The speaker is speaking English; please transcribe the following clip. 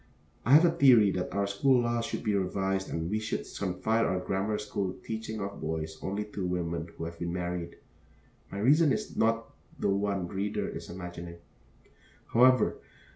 I have a theory that our school laws should be revised and that we should confide our grammar school teaching of boys only to women who have been married. My reason is not the one the reader is imagining, however.